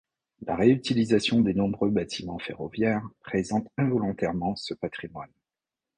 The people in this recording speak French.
La réutilisation des nombreux bâtiments ferroviaires présente involontairement ce patrimoine.